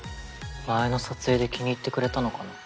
前の撮影で気に入ってくれたのかな？